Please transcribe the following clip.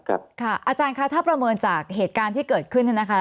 ค่ะอาจารย์คะถ้าประเมินจากเหตุการณ์ที่เกิดขึ้น